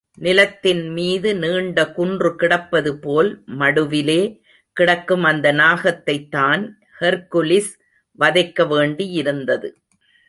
நிலத்தின்மீது நீண்ட குன்று கிடப்பது போல், மடுவிலே கிடக்கும் அந்த நாகத்தைத்தான் ஹெர்க்குலிஸ் வதைக்க வேண்டியிருந்தது.